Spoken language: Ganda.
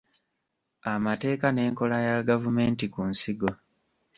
Amateeka n’enkola ya gavumenti ku nsigo.